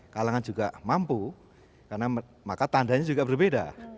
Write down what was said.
kalangan juga mampu karena maka tandanya juga berbeda